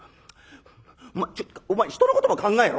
お前ちょお前人のことも考えろ？